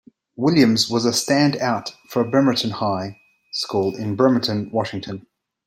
Williams was a standout for Bremerton High School in Bremerton, Washington.